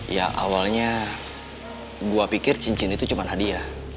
ya awalnya gue pikir cincin itu cuma hadiah